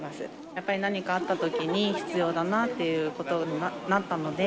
やっぱり何かあったときに必要だなっていうことになったので。